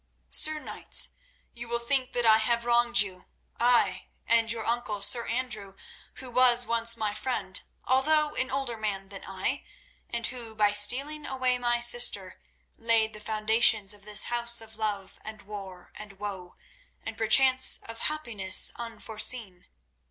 Sir Knights, you will think that I have wronged you—ay, and your uncle, Sir Andrew, who was once my friend, although an older man than I, and who, by stealing away my sister, laid the foundations of this house of love and war and woe, and perchance of happiness unforeseen.